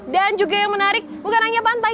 dan juga yang menarik bukan hanya pantai